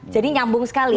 jadi nyambung sekali